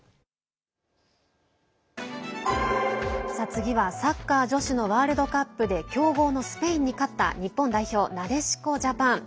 次はサッカー女子のワールドカップで強豪のスペインに勝った日本代表、なでしこジャパン。